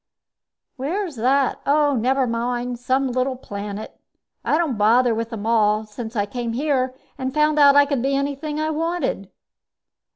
"Where's that? Oh, never mind some little planet. I don't bother with them all, since I came here and found out I could be anything I wanted."